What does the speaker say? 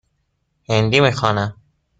هندی می خوانم.